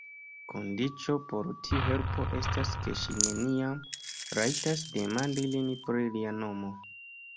Kondiĉo por tiu helpo estas, ke ŝi neniam rajtas demandi lin pri lia nomo.